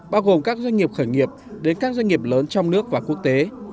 bao gồm các doanh nghiệp khởi nghiệp đến các doanh nghiệp lớn trong nước và quốc tế